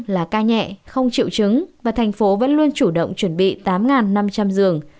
chín mươi bảy là ca nhẹ không triệu chứng và thành phố vẫn luôn chủ động chuẩn bị tám năm trăm linh giường